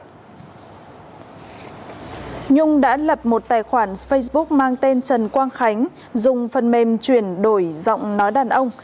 nhung đã lập một tài khoản facebook mang tên trần quang khánh dùng phần mềm chuyển đổi giọng nói đàn ông